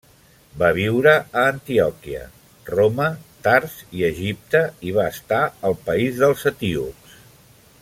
Va viure a Antioquia, Roma, Tars i Egipte i va estar al país dels etíops.